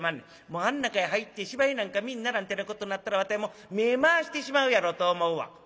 もうあん中へ入って芝居なんか見んならんてなことなったらわたいもう目ぇ回してしまうやろうと思うわ」。